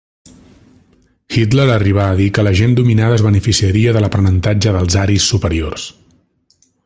Hitler arribà a dir que la gent dominada es beneficiaria de l'aprenentatge dels aris superiors.